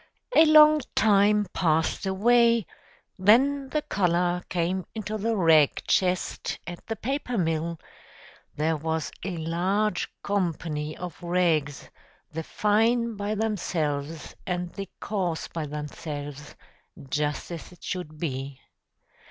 A long time passed away, then the collar came into the rag chest at the paper mill; there was a large company of rags, the fine by themselves, and the coarse by themselves, just as it should be.